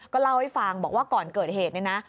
เล่าให้ฟังบอกว่าก่อนเกิดเหตุเนี่ยนะ